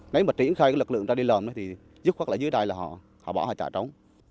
nếu mà triển khai cái lực lượng ra đi lòm thì dứt khoát lại dưới đài là họ bỏ hoặc trả trống